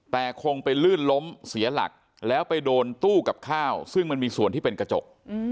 แต่คงไปลื่นล้มเสียหลักแล้วไปโดนตู้กับข้าวซึ่งมันมีส่วนที่เป็นกระจก